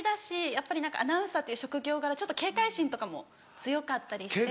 やっぱりアナウンサーっていう職業柄ちょっと警戒心とかも強かったりして。